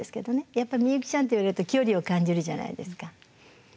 やっぱ「美幸ちゃん」って言われると距離を感じるじゃないですか。